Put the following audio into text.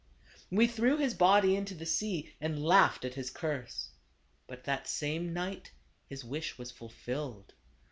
" We threw his body into the sea, and laughed at his curse. But that same night his wish was fulfilled.